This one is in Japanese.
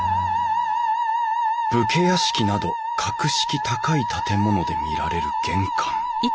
武家屋敷など格式高い建物で見られる玄関。